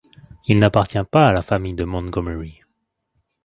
Il n'appartient pas à la famille de Montgommery.